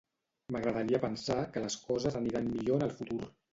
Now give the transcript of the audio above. M'agradaria pensar que les coses aniran millor en el futur.